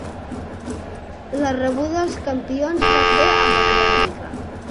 La rebuda als campions va ser apoteòsica.